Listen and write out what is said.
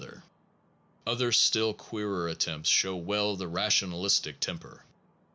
Other still queerer attempts show well the rationalist temper.